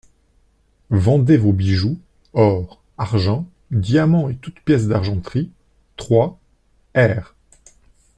Vendez vos bijoux, or, argent, diamants et toutes pièces d'argenterie, trois, r.